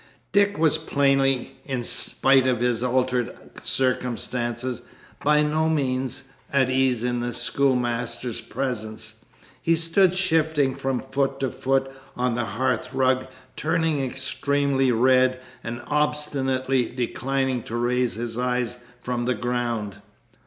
Dick was plainly, in spite of his altered circumstances, by no means at ease in the schoolmaster's presence; he stood, shifting from foot to foot on the hearth rug, turning extremely red and obstinately declining to raise his eyes from the ground.